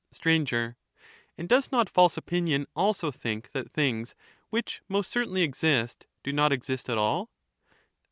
Str, And does not false opinion also think that things which most certainly exist do not exist at all